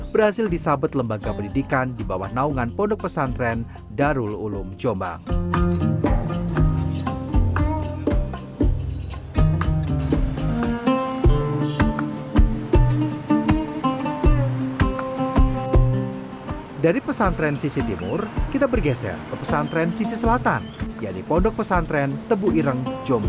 berhasil disahabat lembaga pendidikan di bawah naungan pondok pesantren darul ulum jombang